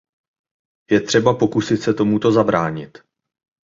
Je třeba pokusit se tomuto zabránit.